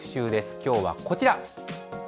きょうはこちら。